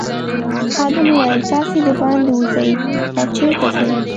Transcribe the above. خادم وویل تاسي دباندې وزئ او چیرته ځئ.